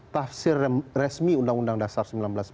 tafsir resmi undang undang dasar seribu sembilan ratus empat puluh